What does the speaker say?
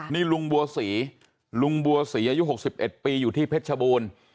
นี่ลุงบัวศรีลุงบัวศรีอายุ๖๑ปีอยู่ที่เพชรชบูรณ์